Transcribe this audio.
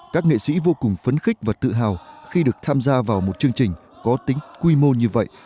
các nghệ sĩ vô cùng phấn khích và tự hào khi được tham gia vào một chương trình có tính quy mô như vậy